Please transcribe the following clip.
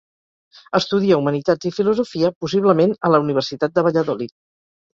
Estudia Humanitats i Filosofia, possiblement a la universitat de Valladolid.